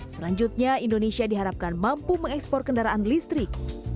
selanjutnya indonesia diharapkan mampu mengekspor kendaraan listrik